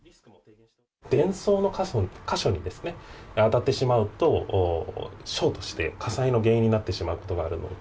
電装の箇所１か所に当たってしまうと、ショートして火災の原因になってしまうことがあるので。